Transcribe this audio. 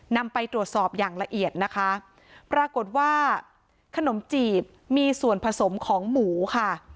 นำไปตรวจสอบอย่างละเอียดนะคะปรากฏว่าขนมจีบมีส่วนผสมของหมูค่ะ